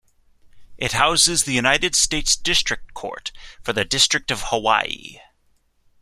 It houses the United States District Court for the District of Hawaii.